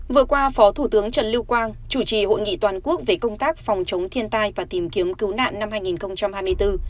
vừa qua phó thủ tướng trần lưu quang chủ trì hội nghị toàn quốc về công tác phòng chống thiên tai và tìm kiếm cứu nạn năm hai nghìn hai mươi bốn